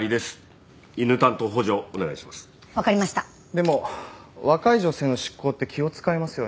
でも若い女性の執行って気を使いますよね。